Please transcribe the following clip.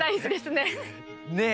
ねえ